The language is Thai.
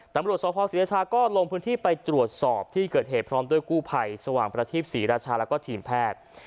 ตำรวจสภศรีราชาก็ลงพื้นที่ไปตรวจสอบที่เกิดเหตุพร้อมด้วยกู้ภัยสว่างประทีปศรีราชาแล้วก็ทีมแพทย์